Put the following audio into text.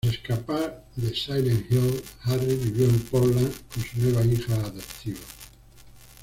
Tras escapar de Silent Hill, Harry vivió en Portland con su nueva hija adoptiva.